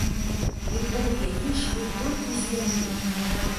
Ды бо ў яе швы толькі знялі!